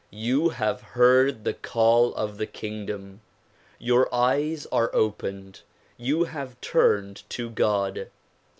you have heard the call of the kingdom. Your eyes are opened; you have turned to God.